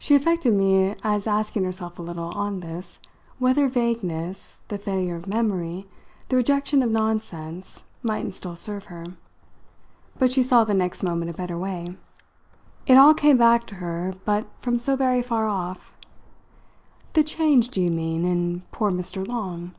She affected me as asking herself a little, on this, whether vagueness, the failure of memory, the rejection of nonsense, mightn't still serve her. But she saw the next moment a better way. It all came back to her, but from so very far off. "The change, do you mean, in poor Mr. Long?"